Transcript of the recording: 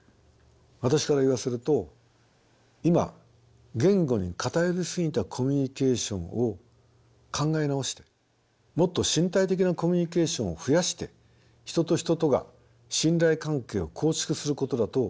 私から言わせると今言語に偏り過ぎたコミュニケーションを考え直してもっと身体的なコミュニケーションを増やして人と人とが信頼関係を構築することだと思います。